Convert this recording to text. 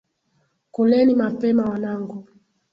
Kuleni mapema wanangu.